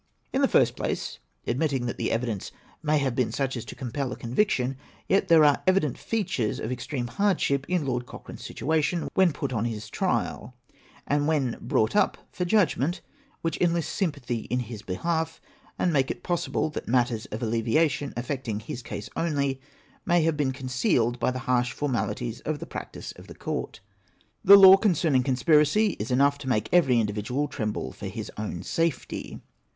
In the first place, admitting that the evidence may have been such as to compel a conviction, yet there are evident features of extreme hardship in Lord Coehrane's situation when put on his trial, and wlien brought up for judgment, which enlist sympathy in his behalf, and make it possible that matters of alleviation, affecting his case only, may have been concealed by the harsh formalities of the practice of the Court. The law concerning conspiracy is enough to make every individual tremble for liis own safety.